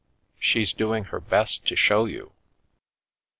She's doing her best to show you."